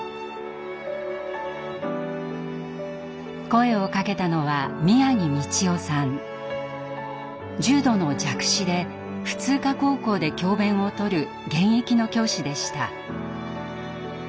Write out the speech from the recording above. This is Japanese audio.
声をかけたのは重度の弱視で普通科高校で教べんをとる現役の教師でした。